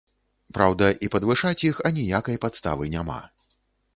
Праўда, і падвышаць іх аніякай падставы няма.